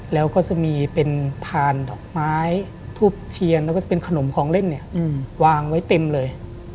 แล้วก็จะมีเป็นพานดอกไม้ทูบเทียนแล้วก็จะเป็นขนมของเล่นเนี่ยวางไว้เต็มเลย